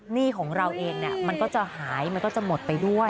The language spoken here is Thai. หนี้ของเราเองมันก็จะหายมันก็จะหมดไปด้วย